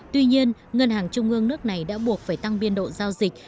tuy nhiên ngân hàng trung ương nước này đã buộc phải tăng biên độ giao dịch